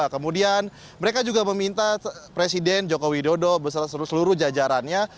kemudian mereka juga meminta presiden joko widodo beserta seluruh jajarannya